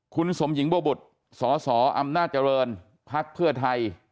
คุณสมหญิงบ้วบุธสสอำนาจริงพเพื่อไทย